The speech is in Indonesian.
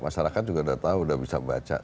masyarakat juga udah tahu udah bisa baca